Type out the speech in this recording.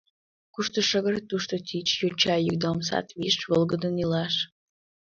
Кушто шыгыр, тушто тич, йоча йӱк да омсат виш — волгыдын илаш.